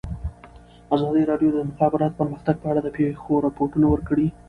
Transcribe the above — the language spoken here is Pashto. ازادي راډیو د د مخابراتو پرمختګ په اړه د پېښو رپوټونه ورکړي.